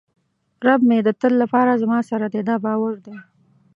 رب مې د تل لپاره زما سره دی دا باور دی.